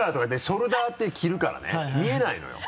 ショルダーって着るからね見えないのよ。